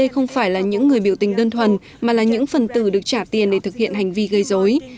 không phải là những người biểu tình đơn thuần mà là những phần tử được trả tiền để thực hiện hành vi gây dối